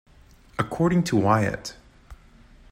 According to Wyatt.